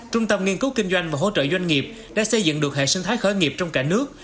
trung tâm nghiên cứu kinh doanh và hỗ trợ doanh nghiệp đã xây dựng được hệ sinh thái khởi nghiệp trong cả nước